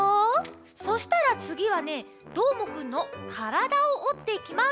そしたらつぎはねどーもくんのからだをおっていきます。